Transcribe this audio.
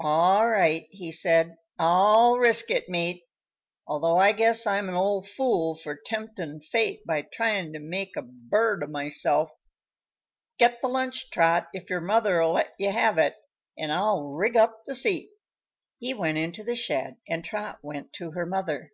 "All right," he said; "I'll risk it, mate, although I guess I'm an old fool for temptin' fate by tryin' to make a bird o' myself. Get the lunch, Trot, if your mother'll let you have it, and I'll rig up the seat." He went into the shed and Trot went to her mother.